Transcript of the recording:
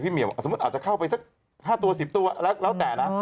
เหี่ยวสมมุติอาจจะเข้าไปสัก๕ตัว๑๐ตัวแล้วแต่นะ